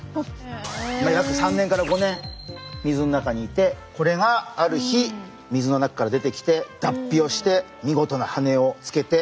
約３年から５年水の中にいてこれがある日水の中から出てきて脱皮をしてみごとなはねをつけて。